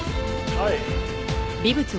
はい。